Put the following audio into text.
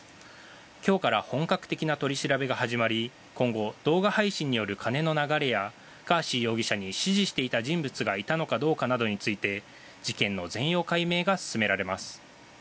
今日から本格的な取り調べが始まり今後、動画配信による金の流れやガーシー容疑者に指示していた人物がいたのかどうかなどについて事件の全容解明が進められます。